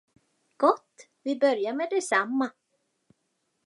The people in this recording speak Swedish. Gott, vi börjar med detsamma!